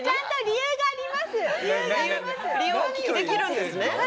理由をお聞きできるんですね。